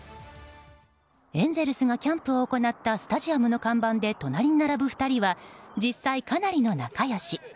エンゼルスがキャンプを行ったスタジアムの看板で隣に並ぶ２人は実際、かなりの仲良し。